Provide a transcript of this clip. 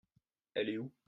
Elle est où ?